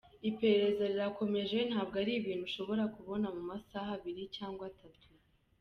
Iperereza rirakomeje ntabwo ari ibintu ushobora kubona mu masaha abiri cyangwa atatu.